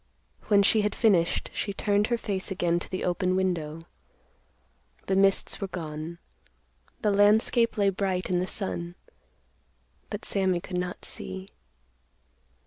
When she had finished, she turned her face again to the open window. The mists were gone. The landscape lay bright in the sun. But Sammy could not see.